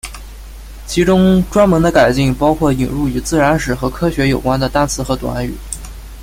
其中专门的改进包括引入与自然史和科学有关的单词和短语。